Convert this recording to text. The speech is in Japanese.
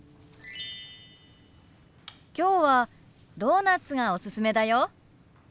今日はドーナツがおすすめだよ。